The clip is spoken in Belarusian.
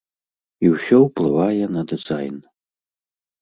І ўсё ўплывае на дызайн.